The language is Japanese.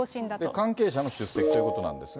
関係者も出席ということなんですが。